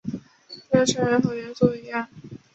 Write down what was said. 制作成员和原作一样。